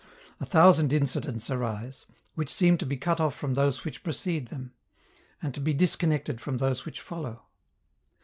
A thousand incidents arise, which seem to be cut off from those which precede them, and to be disconnected from those which follow.